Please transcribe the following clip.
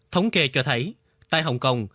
thống kê cho thấy tại hồng kông